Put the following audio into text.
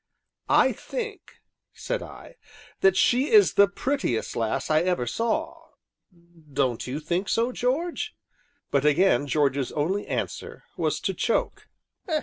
"I think," said I, "that she is the prettiest lass I ever saw; don't you think so, George?" But again George's only answer was to choke.